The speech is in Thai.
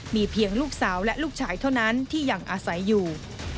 มีเพียงลูกสาวและลูกชายเท่านั้นที่ยังอาศัยอยู่